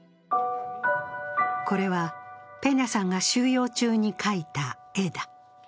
これはペニャさんが収容中に描いた絵だ。